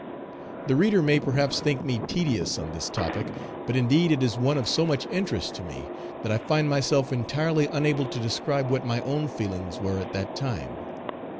The reader may perhaps think me tedious on this topic, but indeed it is one of so much interest to me, that I find myself entirely unable to describe what my own feelings were at that time.